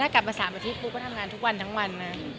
กลับมา๓อาทิตย์ปูก็ทำงานทุกวันทั้งวันนะ